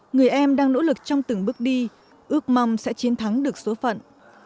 người em đang nỗ lực trong từng bước đi ước mong sẽ chiến thắng được số phận